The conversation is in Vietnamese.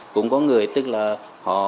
cũng có người tức là họ